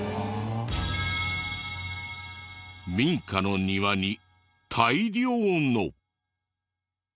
民家の庭に大量の。